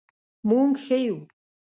مونږ ښه یو